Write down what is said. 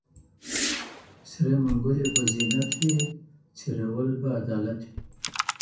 سرې منګولي به زینت وي، څېرول به عدالت وي.